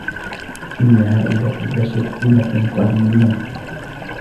إِنَّ هؤُلاءِ لَشِرذِمَةٌ قَليلونَ